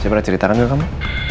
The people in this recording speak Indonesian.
siapa yang cerita ranga kamu